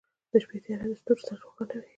• د شپې تیاره د ستورو سره روښانه وي.